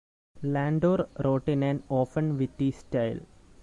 Landor wrote in an often witty style.